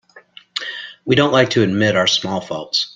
We don't like to admit our small faults.